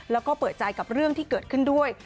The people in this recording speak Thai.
แล้วก็เปิดใจกับเรื่องที่เกิดขึ้นด้วย